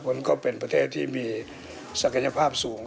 ก็เป็นประเทศที่มีศักยภาพสูง